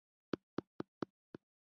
د دې پلچکونو چت او دیوالونه کانکریټي دي